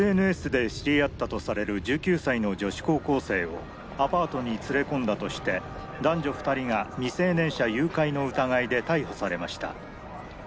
「ＳＮＳで知り合ったとされる１９歳の女子高校生をアパートに連れ込んだとして男女２人が未成年者誘拐の疑いで逮捕されました」。